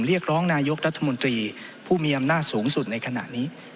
เรียกร้องนายกรัฐมนตรีผู้มีอำนาจสูงสุดในขณะนี้